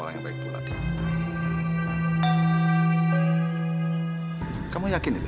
saya harus kasih tahu yang lain